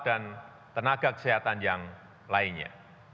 dan tenaga kesehatan yang lainnya